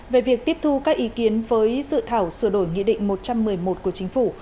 về việc tiếp thu các ý kiến với dự thảo sửa đổi nghị định một trăm một mươi một của chính phủ